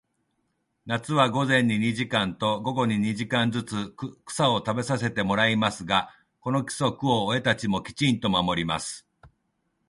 夏は午前に二時間と、午後に二時間ずつ、草を食べさせてもらいますが、この規則を親たちもきちんと守ります。